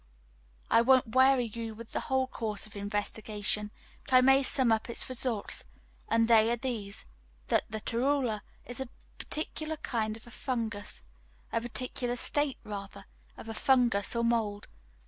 I won't weary you with the whole course of investigation, but I may sum up its results, and they are these that the torula is a particular kind of a fungus, a particular state rather, of a fungus or mould.